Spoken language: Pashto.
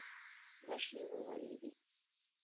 غشې وورېدې.